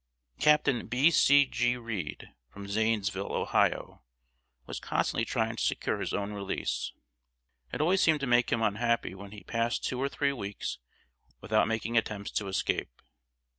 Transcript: Captain B. C. G. Reed, from Zanesville, Ohio, was constantly trying to secure his own release. It always seemed to make him unhappy when he passed two or three weeks without making attempts to escape.